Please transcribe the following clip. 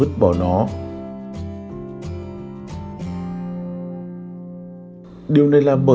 điều này là bởi vì khoai tây mọc mầm không có nguyên liệu phổ biến